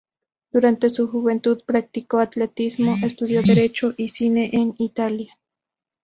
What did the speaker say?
Durante su juventud practicó atletismo, estudió Derecho y cine en Italia.